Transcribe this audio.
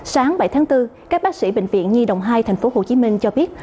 sáng bảy tháng bốn các bác sĩ bệnh viện nhi đồng hai tp hcm cho biết